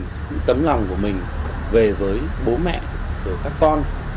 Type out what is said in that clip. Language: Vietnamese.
những tâm lòng của mình về với bố mẹ các con